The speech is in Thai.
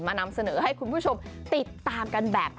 นำเสนอให้คุณผู้ชมติดตามกันแบบ